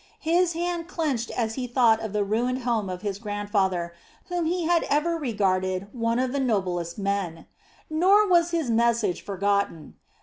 His hand clenched as he thought of the ruined home of his grandfather, whom he had ever regarded one of the noblest of men. Nor was his message forgotten.